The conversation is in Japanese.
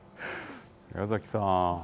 宮崎さん。